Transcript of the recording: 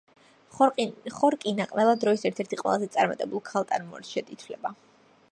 ხორკინა ყველა დროის ერთ-ერთი ყველაზე წარმატებულ ქალ ტანმოვარჯიშედ ითვლება.